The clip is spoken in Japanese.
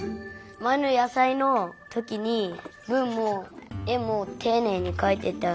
まえのやさいのときにぶんもえもていねいにかいてたから。